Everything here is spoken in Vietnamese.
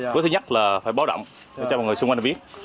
bước thứ nhất là phải báo động để cho mọi người xung quanh biết